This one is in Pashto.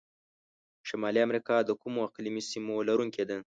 شمالي امریکا د کومو اقلیمي سیمو لرونکي ده؟